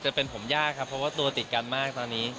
จะเป็นผมยากครับเพราะว่าตัวติดกันมากตอนนี้